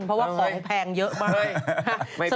สนับสนุนโดยดีที่สุดคือการให้ไม่สิ้นสุด